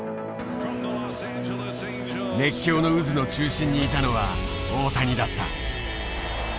熱狂の渦の中心にいたのは大谷だった。